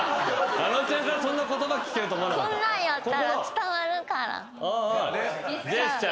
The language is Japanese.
あのちゃんからそんな言葉聞けると思わなかった。